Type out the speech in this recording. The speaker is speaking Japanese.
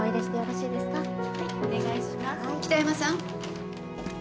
・北山さん。